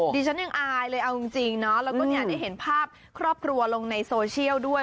ดิฉันยังอายเลยเอาจริงเนาะแล้วก็ได้เห็นภาพครอบครัวลงในโซเชียลด้วย